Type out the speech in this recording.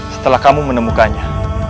setelah kamu menemukannya